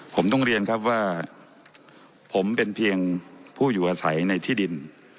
ผมต้องเรียนครับว่าผมเป็นเพียงผู้อยู่อาศัยในที่ดิน